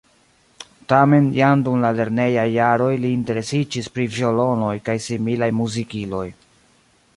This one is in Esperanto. Tamen jam dum la lernejaj jaroj li interesiĝis pri violonoj kaj similaj muzikiloj.